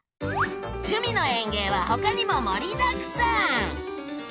「趣味の園芸」はほかにも盛りだくさん！